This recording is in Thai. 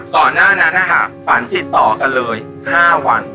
ก่อนหน้านั้นนะคะฝันติดต่อกันเลย๕วัน